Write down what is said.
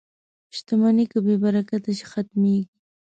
• شتمني که بې برکته شي، ختمېږي.